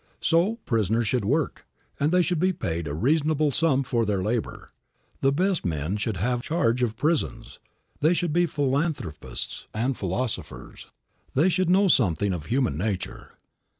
So, prisoners should work, and they should be paid a reasonable sum for their labor. The best men should have charge of prisons. They should be philanthropists and philosophers; they should know something of human nature.